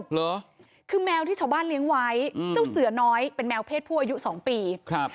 เหรอคือแมวที่ชาวบ้านเลี้ยงไว้อืมเจ้าเสือน้อยเป็นแมวเพศผู้อายุสองปีครับ